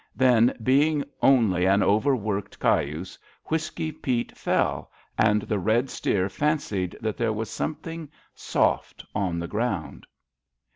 Then, be ing only an overworked cayuse, Whisky Peat fell, and the red steer fancied that there was some thing soft on the ground.